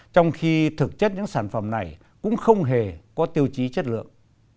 trong khi thực chất những sản phẩm này cũng không hề có tiêu chí chất lượng